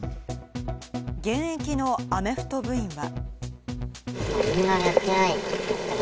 現役のアメフト部員は。